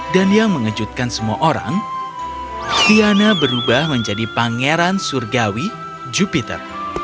yang mengejutkan semua orang diana berubah menjadi pangeran surgawi jupiter